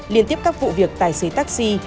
liên tiếp các vụ việc tài xế taxi